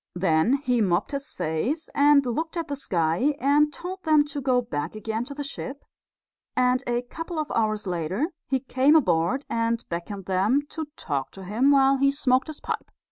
Then he mopped his face and looked at the sky and told them to go back again to the ship; and a couple of hours later he came aboard and beckoned them to talk to him while he smoked his pipe.